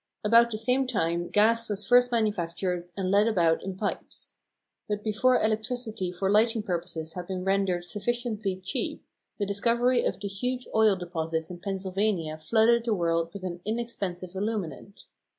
About the same time gas was first manufactured and led about in pipes. But before electricity for lighting purposes had been rendered sufficiently cheap the discovery of the huge oil deposits in Pennsylvania flooded the world with an inexpensive illuminant.